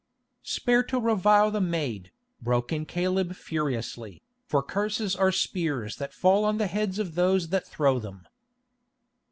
"Spare to revile the maid," broke in Caleb furiously, "for curses are spears that fall on the heads of those that throw them."